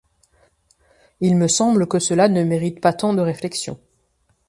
Il me semble que cela ne mérite pas tant de réflexions.